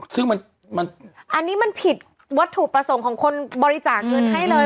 ซึ่งอันนี้มันผิดวัตถุประสงค์ของคนบริจาคเงินให้เลย